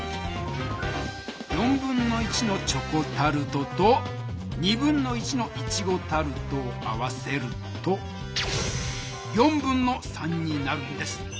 1/4のチョコタルトと1/2のイチゴタルトを合わせると3/4になるんです。